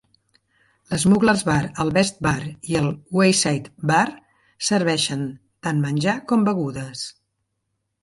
L'Smugglers Bar, el Best Bar i el Wayside Bar serveixen tant menjar com begudes.